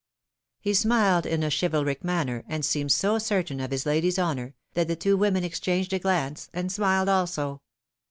He smiled in a chivalric manner, and seemed so certain of his lady's honor, that the two women exchanged a glance, and smiled also.